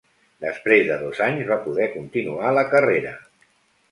Després de dos anys va poder continuar la carrera.